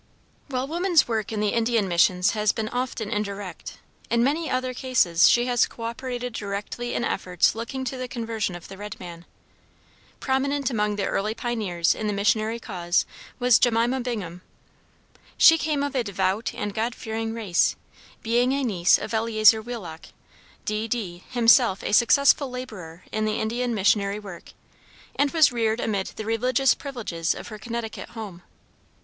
While woman's work in the Indian missions has been often indirect, in many other cases she has cooperated directly in efforts looking to the conversion of the red man. Prominent among the earlier pioneers in the missionary cause was Jemima Bingham. She came of a devout and God fearing race, being a niece of Eleazur Wheelock, D. D., himself a successful laborer in the Indian missionary work, and was reared amid the religious privileges of her Connecticut home.